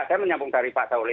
saya menyambung dari pak sauli